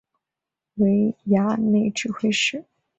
为衙内指挥使。